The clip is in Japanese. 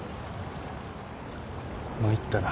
参ったな